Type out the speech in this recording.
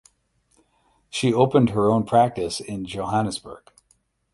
She opened her own practice in Johannesburg.